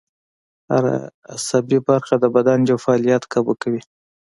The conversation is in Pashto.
هر عصبي برخه د بدن یو فعالیت کابو کوي